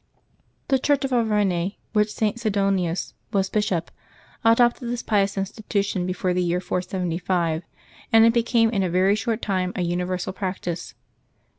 The Church of Auvergne, of which St. Sidonius was bishop, adopted this pious institution before the year 475, and it became in a v^ry short time a universal practice.